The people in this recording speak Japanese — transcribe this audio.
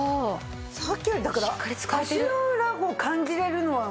さっきよりだから足の裏を感じれるのはすごいです。